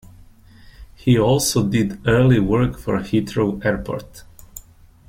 He also did early work for Heathrow Airport.